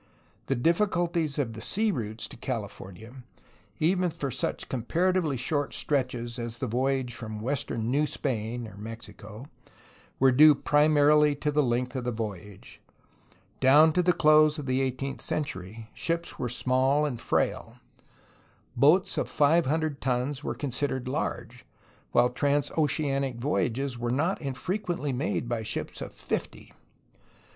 The difficulties of the sea routes to California, even for such comparatively short stretches as the voyage from western New Spain (or Mexico), were due primarily to the length of the voyage. Down to the close of the eighteenth century, ships were small and frail. Boats of five hundred tons were considered large, while trans oceanic voyages were not infrequently made by ships of fifty.